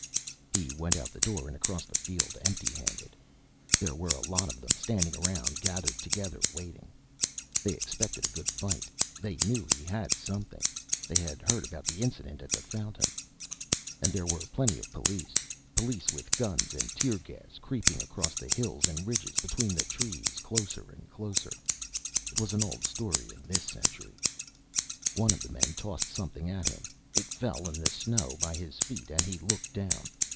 He went out the door and across the field, empty handed. There were a lot of them standing around, gathered together, waiting. They expected a good fight; they knew he had something. They had heard about the incident at the fountain. And there were plenty of police police with guns and tear gas, creeping across the hills and ridges, between the trees, closer and closer. It was an old story, in this century. One of the men tossed something at him. It fell in the snow by his feet, and he looked down.